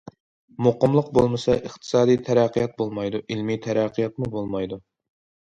مۇقىملىق بولمىسا ئىقتىسادى تەرەققىيات بولمايدۇ، ئىلمىي تەرەققىياتمۇ بولمايدۇ.